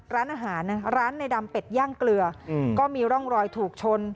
ร้านอาหารนะร้านในดำเป็ดย่างเกลือก็มีร่องรอยถูกชน